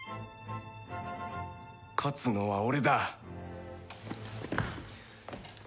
勝つのは俺だ！